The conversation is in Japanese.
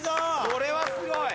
これはすごい。